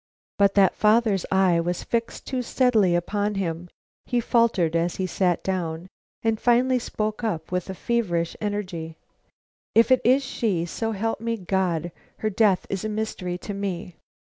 But that father's eye was fixed too steadily upon him; he faltered as he sat down, and finally spoke up, with feverish energy: "If it is she, so help me, God, her death is a mystery to me!